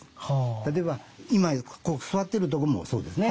例えば今座っているとこもそうですね。